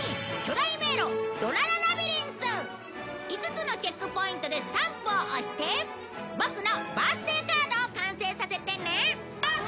５つのチェックポイントでスタンプを押してボクのバースデーカードを完成させてね